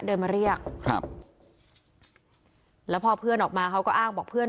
เดินมาเรียกครับแล้วพอเพื่อนออกมาเขาก็อ้างบอกเพื่อน